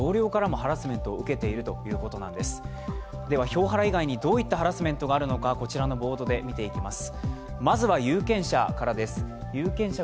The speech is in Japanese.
票ハラ以外にどういったハラスメントがあるのかこちらのボードで見ていきます。